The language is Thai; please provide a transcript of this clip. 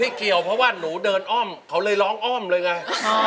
เกี่ยวเพราะว่าหนูเดินอ้อมเขาเลยร้องอ้อมเลยไง